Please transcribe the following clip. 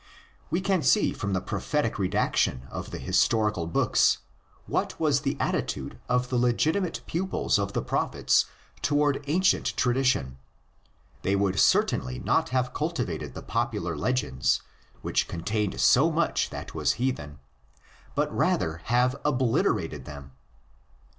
We can see from the Prophetic redaction of the historical books what was the attitude of the legiti mate pupils of the Prophets toward ancient tradi tion: they would certainly not have cultivated the popular legends, which contained so much that was heathen, but rather have obliterated them.